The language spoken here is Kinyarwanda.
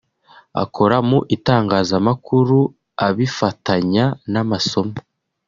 akora mu itangazamakuru abifatanya n’amasomo